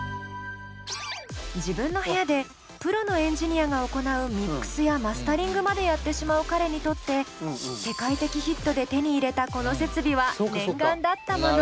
自分の部屋でプロのエンジニアが行うミックスやマスタリングまでやってしまう彼にとって世界的ヒットで手に入れたこの設備は念願だったもの。